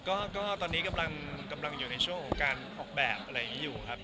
ก็ตอนนี้กำลังอยู่ในช่วงของการออกแบบอะไรอย่างนี้อยู่ครับ